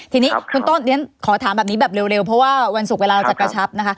ทีนี้คุณต้นขอถามแบบนี้แบบเร็วเพราะว่าวันศุกร์เวลาเราจะกระชับนะคะ